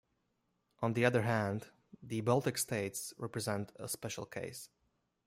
On the other hand, the Baltic states represent a special case.